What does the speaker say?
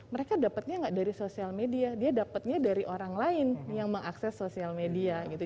mereka dapatnya nggak dari sosial media dia dapatnya dari orang lain yang mengakses sosial media gitu